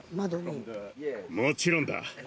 もちろんだ。